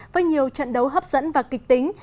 với nhiều trận đấu hấp dẫn và kịch tính